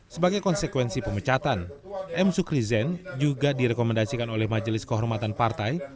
sebagai konsekuensi pemecatan m sukri zen juga direkomendasikan oleh majelis kehormatan partai